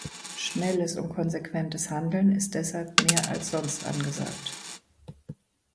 Schnelles und konsequentes Handeln ist deshalb mehr als sonst angesagt.